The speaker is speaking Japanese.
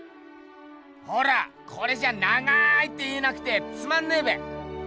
ほらこれじゃあ長いって言えなくてつまんねえべ。